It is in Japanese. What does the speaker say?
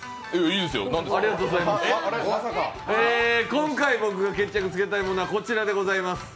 今回、僕が決着つけたいものはこちらでございます。